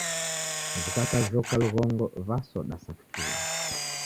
W'ikakajhoka lugongo w'a soda sa kichula.